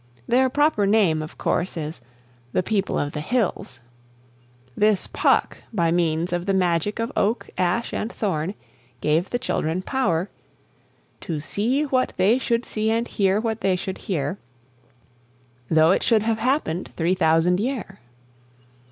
Their proper name, of course, is 'The People of the Hills'. This Puck, by means of the magic of Oak, Ash, and Thorn, gave the children power To see what they should see and hear what they should hear, Though it should have happened three thousand year.